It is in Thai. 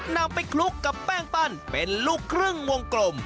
นำไปคลุกกับแป้งปั้นเป็นลูกครึ่งวงกลม